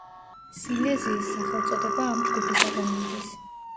სილეზიის სახელწოდება ამ ჯგუფისაგან მოდის.